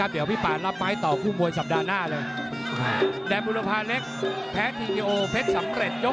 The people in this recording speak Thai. เสียทรงเลยแบบนี้โอ้โห